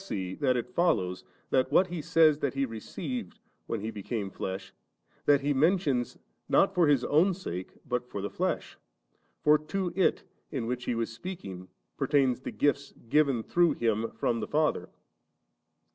• Or,u^ see that it follows, that what He says that He received, when He became flesh, that He mentions, not for His own sake, but for the flesh ? for to it, in which He was speaking, per tained the gifts given tlirough Him from the Father.